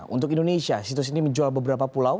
untuk indonesia situs ini menjual beberapa pulau